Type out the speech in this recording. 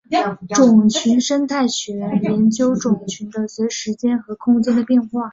种群生态学研究种群的随时间和空间的变化。